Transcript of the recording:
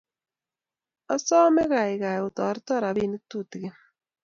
Asome kaikai otoreto rapinik tutikin